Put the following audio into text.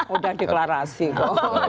udah deklarasi kok